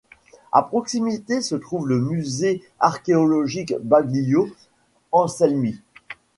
À proximité se trouve le musée archéologique Baglio Anselmi.